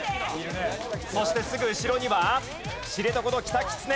そしてすぐ後ろには知床のキタキツネ。